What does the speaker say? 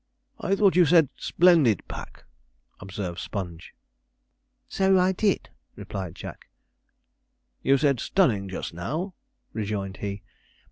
'I thought you said splendid pack,' observed Sponge. 'So I did,' replied Jack. 'You said stunning just now,' rejoined he.